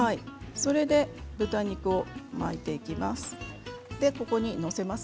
それで豚肉を巻いていきます。